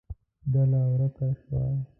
ډله ورکه شوه.